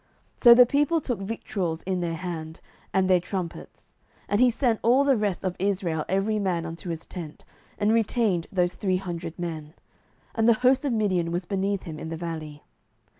07:007:008 So the people took victuals in their hand, and their trumpets: and he sent all the rest of Israel every man unto his tent, and retained those three hundred men: and the host of Midian was beneath him in the valley.